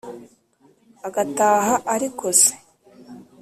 agataha ariko se